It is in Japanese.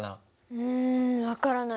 うん分からない。